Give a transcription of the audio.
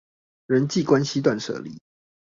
人際關係斷捨離